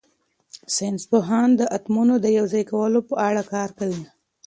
ساینس پوهان د اتومونو د یوځای کولو په اړه کار کوي.